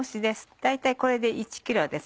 大体これで１ｋｇです。